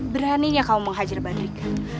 beraninya kamu menghajar badrika